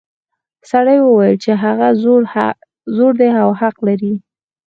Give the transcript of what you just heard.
سړي وویل چې هغه زوړ دی او حق لري.